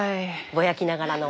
ぼやきながらの。